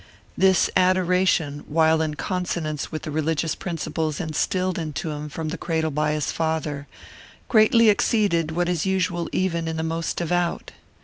This adoration, while in consonance with the religious principles instilled into him from the cradle by his father, greatly exceeded what is usual even in the most devout.